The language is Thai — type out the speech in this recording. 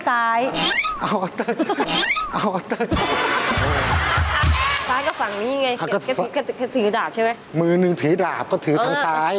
ซ้ายก็ฝั่งนี้ไงก็ถือดาบใช่ไหมมือหนึ่งถือดาบก็ถือทางซ้าย